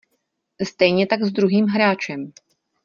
Stejně tak s druhým hráčem.